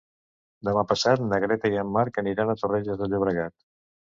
Demà passat na Greta i en Marc aniran a Torrelles de Llobregat.